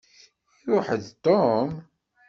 Iṛuḥ-d Tom?